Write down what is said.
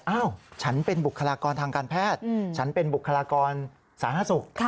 ฉันเป็นบุคลากรทางการแพทย์ฉันเป็นบุคลากรสาธารณสุข